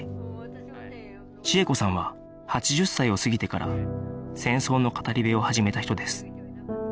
千枝子さんは８０歳を過ぎてから戦争の語り部を始めた人です